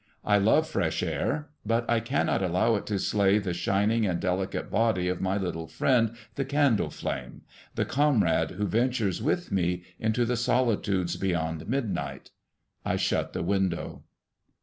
I love fresh air, but I cannot allow it to slay the shining and delicate body of my little friend the candle flame, the comrade who ventures with me into the solitudes beyond midnight. I shut the window.